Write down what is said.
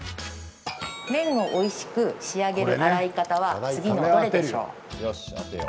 麺をおいしく仕上げる洗い方は、次のどれでしょう？